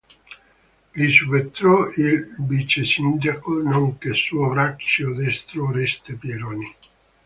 Gli subentrò il vicesindaco, nonché suo braccio destro, Oreste Pieroni.